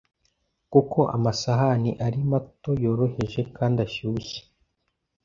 kuko amasahani ari matoyoroheje kandi ashyushye